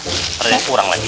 nanti ada yang kurang lagi